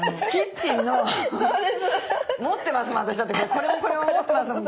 これもこれも持ってますもん